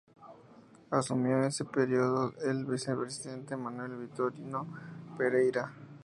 Asumió en ese período el vicepresidente, Manuel Vitorino Pereira.